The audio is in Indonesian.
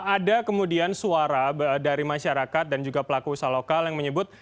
ada kemudian suara dari masyarakat dan juga pelaku usaha lokal yang menyebut